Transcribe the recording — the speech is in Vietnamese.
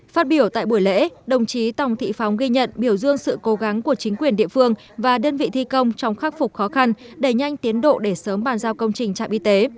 phát biểu tại buổi lễ đồng chí tòng thị phóng ghi nhận biểu dương sự cố gắng của chính quyền địa phương và đơn vị thi công trong khắc phục khó khăn đẩy nhanh tiến độ để sớm bàn giao công trình trạm y tế